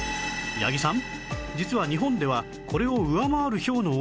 八木さん